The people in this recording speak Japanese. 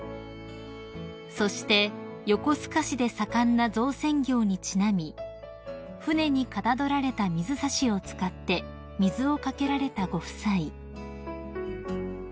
［そして横須賀市で盛んな造船業にちなみ船にかたどられた水差しを使って水を掛けられたご夫妻］